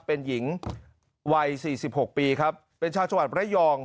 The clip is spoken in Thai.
เป็นหญิงวัย๔๖ปีครับเป็นชาวจังหวัดระยอง